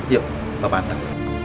yuk papa antar